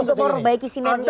untuk memperbaiki sinetnya